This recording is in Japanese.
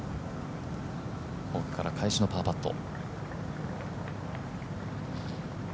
奥から返しのパーパット。